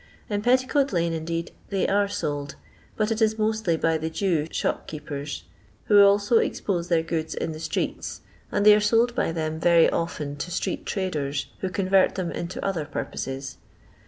In Petticoat lane, indeed, they are sold, but it is mostly by the Jew shopkeepers, who also expose their goods in the streets, and they are sold by them very often to street traders, who convert them into other purposes.